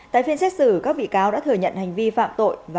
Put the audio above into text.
tại phiên xét xử các bị cáo đã thừa nhận hành vi phạm tội